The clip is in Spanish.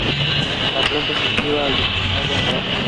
La planta se activa al disponer de humedad.